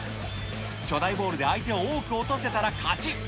巨大ボールで相手を多く落とせたら勝ち。